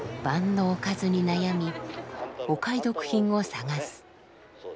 晩のおかずに悩みお買い得品を探す。